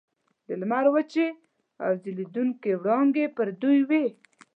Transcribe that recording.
د لمر وچې او ځلیدونکي وړانګې پر دوی وې.